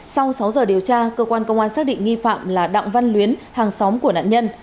sau sáu giờ điều tra cơ quan công an xác định nghi phạm là đặng văn luyến hàng xóm của nạn nhân